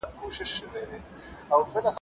هغې ته زما د سلام غږ لا په سمه توګه نه دی رسیدلی.